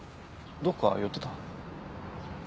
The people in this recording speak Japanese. どこか寄ってた？